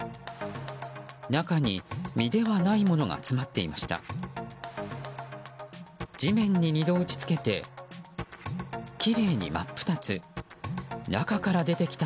中に、実ではないものが詰まっていました。